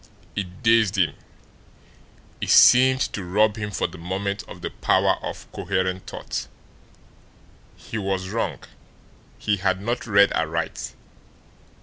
It dazed him; it seemed to rob him for the moment of the power of coherent thought. He was wrong; he had not read aright.